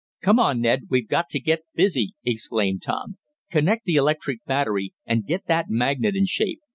"Come on, Ned, we've got to get busy!" exclaimed Tom. "Connect the electric battery, and get that magnet in shape.